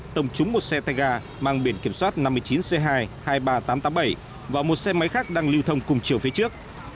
tông trúng một xe tay ga mang biển kiểm soát năm mươi chín c hai hai mươi ba nghìn tám trăm tám mươi bảy và một xe máy khác đang lưu thông cùng chiều phía trước